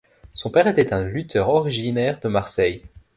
Son père était un lutteur originaire de Marseille.